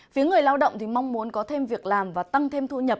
phía người lao động thì mong muốn có thêm việc làm và tăng thêm thu nhập